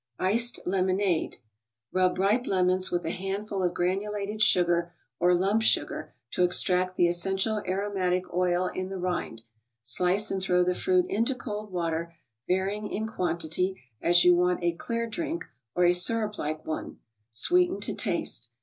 Lemonade* r 'P e ^ em ° nsw ^ a hand ^ ful of granulated sugar or lump sugar to extract the essential aromatic oil in the rind, slice and throw the fruit into cold water, varying in quan¬ tity as you want a clear drink or a syruplike one; sweeten to taste.